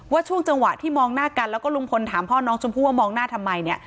ช่วงจังหวะที่มองหน้ากันแล้วก็ลุงพลถามพ่อน้องชมพู่ว่ามองหน้าทำไมเนี่ย